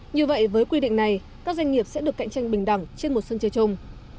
như vậy với quy định này các doanh nghiệp sẽ được cạnh tranh bình đẳng trên một sân chơi chung